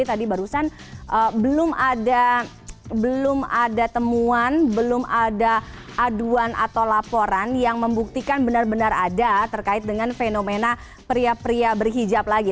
tadi barusan belum ada temuan belum ada aduan atau laporan yang membuktikan benar benar ada terkait dengan fenomena pria pria berhijab lagi